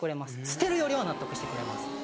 捨てるよりは納得してくれます。